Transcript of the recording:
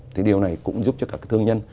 thì điều này cũng giúp cho các thương nhân